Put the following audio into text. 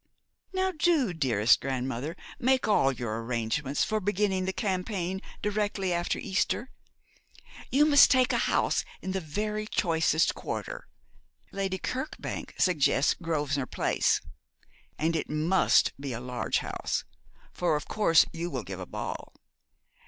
Now do, dearest grandmother, make all your arrangements for beginning the campaign directly after Easter. You must take a house in the very choicest quarter Lady Kirkbank suggests Grosvenor place and it must be a large house, for of course you will give a ball.